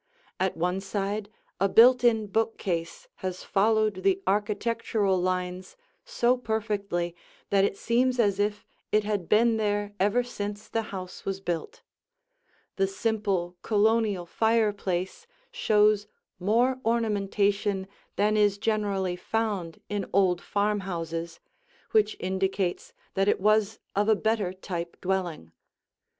At one side a built in bookcase has followed the architectural lines so perfectly that it seems as if it had been there ever since the house was built. The simple Colonial fireplace shows more ornamentation than is generally found in old farmhouses, which indicates that it was of a better type dwelling.